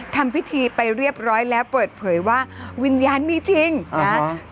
ทำพิธีไปเรียบร้อยแล้วเปิดเผยว่าวิญญาณมีจริงนะ